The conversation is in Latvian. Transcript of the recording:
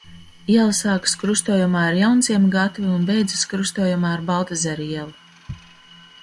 Iela sākas krustojumā ar Jaunciema gatvi un beidzas krustojumā ar Baltezera ielu.